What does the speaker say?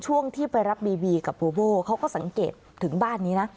ช่วงที่ไปรับบีบีกับโบโบเขาก็สังเกตถึงบ้านนี้นะ